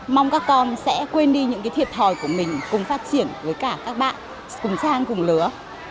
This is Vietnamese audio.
mong các con sẽ quên đi những thiệt thòi của mình cùng phát triển với cả các bạn cùng trang cùng lứa